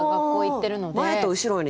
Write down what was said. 前と後ろに。